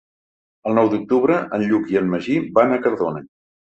El nou d'octubre en Lluc i en Magí van a Cardona.